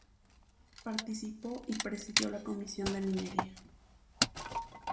Participó y presidió la Comisión de Minería.